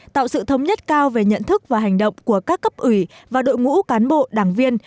tạo sự thống nhất cao về nhận thức và hành động của các cấp ủy và đội ngũ cán bộ đảng viên